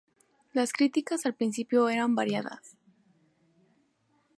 Las críticas al principio eran variadas.